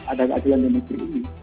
ada keadilan di negeri ini